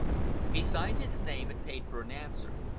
He signed his name and paid for an answer.